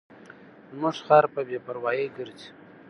زموږ خر په بې پروایۍ ګرځي.